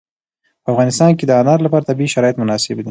په افغانستان کې د انار لپاره طبیعي شرایط مناسب دي.